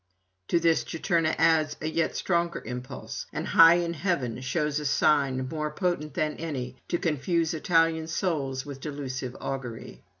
To this Juturna adds a yet stronger impulse, and high in heaven shews a sign more potent than any to confuse Italian souls with delusive augury.